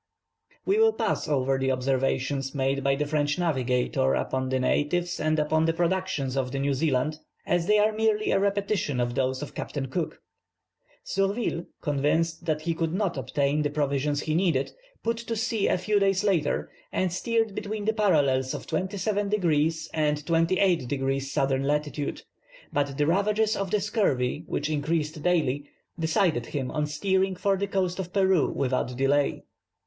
We will pass over the observations made by the French navigator upon the natives, and the productions of New Zealand, as they are merely a repetition of those of Captain Cook. Surville, convinced that he could not obtain the provisions he needed, put to sea a few days later, and steered between the parallels of 27 degrees and 28 degrees S. lat.; but the ravages of the scurvy, which increased daily, decided him on steering for the coast of Peru without delay.